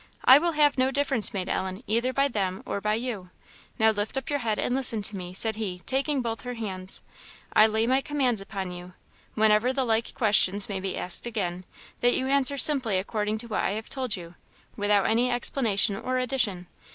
I will have no difference made, Ellen, either by them or by you. Now lift up your head and listen to me," said he, taking both her hands. "I lay my commands upon you, whenever the like questions may be asked again, that you answer simply according to what I have told you, without any explanation or addition.